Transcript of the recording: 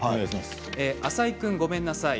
浅井君、ごめんなさい